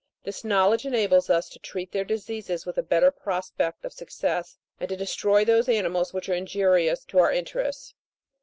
This knowledge enables us to treat their diseases with a better prospect of success, and to destroy those animals which are injurious to our interests.